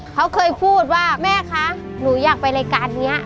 เขาเคยพูดว่าแม่คะหนูอยากไปรายการนี้